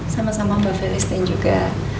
sama sama mbak felis dan juga